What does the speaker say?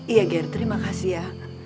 iya ger terima kasih ya